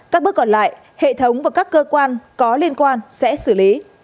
các bước còn lại hệ thống và các cơ quan có liên quan sẽ xử lý